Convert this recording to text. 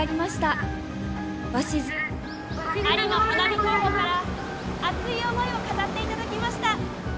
候補から熱い思いを語っていただきました。